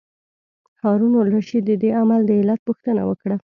هارون الرشید د دې عمل د علت پوښتنه وکړه.